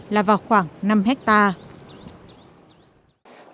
là vào khoảng năm hectare